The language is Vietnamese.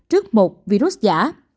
với virus giả